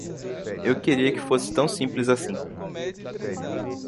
Eu queria que fosse tão simples assim.